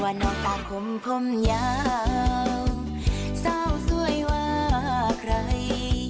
วันนอกตาขมขมยาวเศร้าสวยว่าใคร